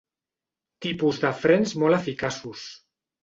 Tipus de frens molt eficaços.